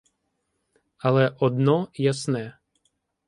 Але одно ясне.